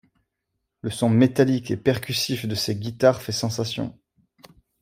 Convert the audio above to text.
Le son métallique et percussif de ces guitares fait sensation.